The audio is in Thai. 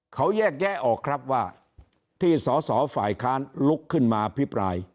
เขาแยกแยะออกครับว่าที่สอสอฝ่ายค้านลุกขึ้นมาอภิปราย